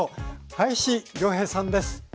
林亮平さんです。